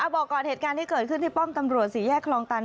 บอกก่อนเหตุการณ์ที่เกิดขึ้นที่ป้อมตำรวจสี่แยกคลองตัน